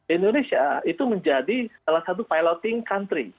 indonesia itu menjadi salah satu piloting country